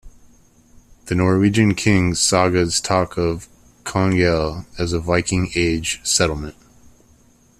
The Norwegian Kings' sagas talk of Konghelle as a Viking Age settlement.